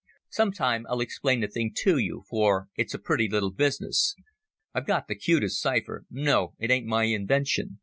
Sometime I'll explain the thing to you, for it's a pretty little business. I've got the cutest cypher ... No, it ain't my invention.